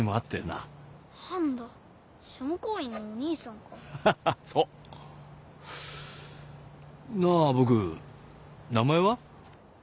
なあボク名前は？